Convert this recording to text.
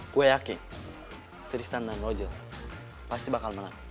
gue yakin tristan dan rojo pasti bakal menang